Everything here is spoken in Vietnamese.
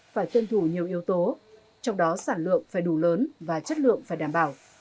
phải tuân thủ nhiều yếu tố trong đó sản lượng phải đủ lớn và chất lượng phải đảm bảo